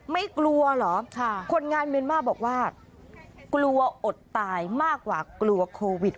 ไม่กลัวเหรอคนงานเมียนมาบอกว่ากลัวอดตายมากกว่ากลัวโควิด